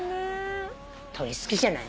鳥好きじゃない。